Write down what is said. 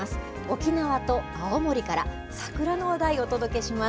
沖縄と青森から、桜の話題、お届けします。